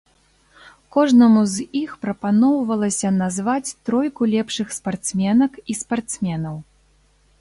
Кожнаму з іх прапаноўвалася назваць тройку лепшых спартсменак і спартсменаў.